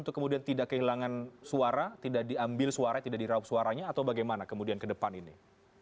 untuk kemudian tidak kehilangan suara tidak diambil suara tidak diraup suaranya atau bagaimana kemudian ke depan ini